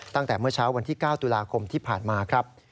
ตั้งแต่เมื่อเช้าวันที่๙ตุลาคมที่ผ่านมาครับ